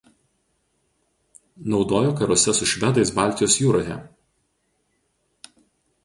Naudojo karuose su švedais Baltijos jūroje.